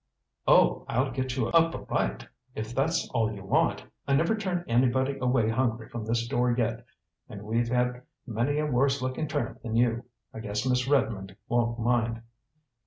"Oh, I'll get you up a bite, if that's all you want. I never turned anybody away hungry from this door yet, and we've had many a worse looking tramp than you. I guess Miss Redmond won't mind."